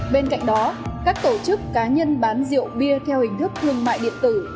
bên cạnh đó các tổ chức cá nhân bán rượu bia theo hình thức thương mại điện tử